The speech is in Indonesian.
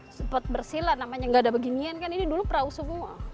sempat bersih lah namanya nggak ada beginian kan ini dulu perahu semua